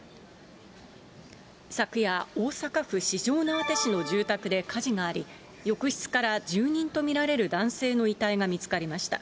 昨夜、大阪府四條畷市の住宅で火事があり、浴室から住人と見られる男性の遺体が見つかりました。